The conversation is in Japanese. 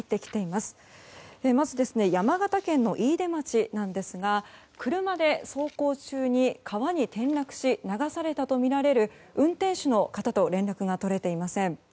まず山形県の飯豊町ですが車で走行中に川に転落し流されたとみられる運転手の方と連絡が取れていません。